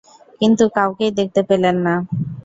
কিন্তু কাউকেই দেখতে পেলেন না।